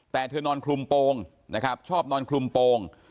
แต่เธอนอนคลุมโปรงนะครับชอบนอนคลุมโปรง